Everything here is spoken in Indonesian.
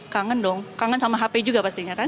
kangen dong kangen sama hp juga pastinya kan